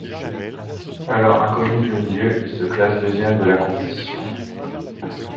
Alors inconnu du milieu, il se classe deuxième de la compétition.